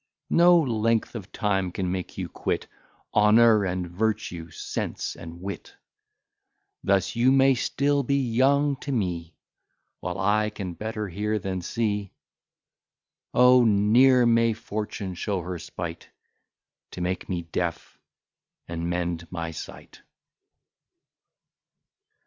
No length of time can make you quit Honour and virtue, sense and wit; Thus you may still be young to me, While I can better hear than see. O ne'er may Fortune show her spite, To make me deaf, and mend my sight!